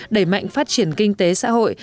đẩy mạnh phát triển kinh tế xã hội